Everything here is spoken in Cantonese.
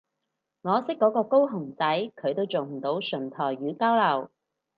我識嗰個高雄仔佢都做唔到純台語交流